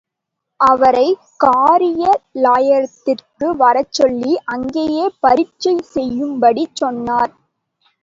அவரைக் காரியாலயத்திற்கு வரச்சொல்லி அங்கேயே பரீட்சை செய்யும்படி சொன்னார்.